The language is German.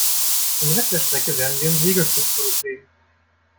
Den Rest der Strecke werden wir im Segelflug zurücklegen.